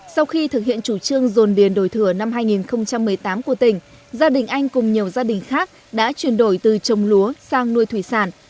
sau khi thực hiện chủ trương dồn điền đổi thừa năm hai nghìn một mươi tám của tỉnh gia đình anh cùng nhiều gia đình khác đã chuyển đổi từ trồng lúa sang nuôi thủy sản